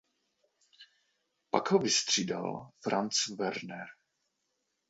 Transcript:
Pak ho vystřídal Franz Werner.